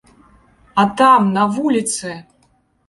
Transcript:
А там, на вуліцы!